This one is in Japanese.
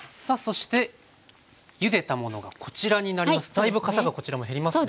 だいぶかさがこちらも減りますね。